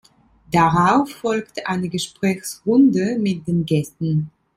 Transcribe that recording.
Darauf folgte eine Gesprächsrunde mit den Gästen.